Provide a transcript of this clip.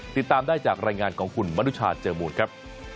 ติดตามได้จากรายงานของคุณมนุชาเจอมูลครับ